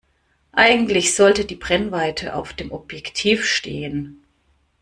Eigentlich sollte die Brennweite auf dem Objektiv stehen.